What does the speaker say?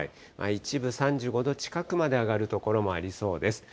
一部３５度近くまで上がる所もありそうです。